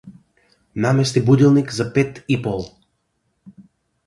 Намести будилник за пет и пол!